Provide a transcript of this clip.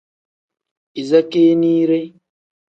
Iza keeniire.